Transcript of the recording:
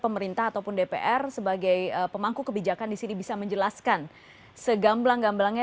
pemerintah ataupun dpr sebagai pemangku kebijakan disini bisa menjelaskan segamblang gamblangnya